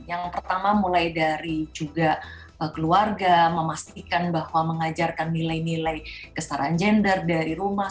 yang pertama mulai dari juga keluarga memastikan bahwa mengajarkan nilai nilai kestaraan gender dari rumah